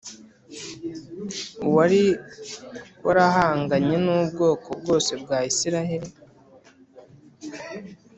uwari warahanganye n’ubwoko bwose bwa Isiraheli